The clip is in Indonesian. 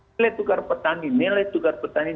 nilai tukar petani nilai tukar petani